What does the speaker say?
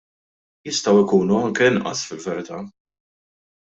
Jistgħu jkunu anke inqas fil-verità.